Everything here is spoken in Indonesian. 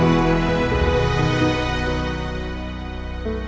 terima kasih wak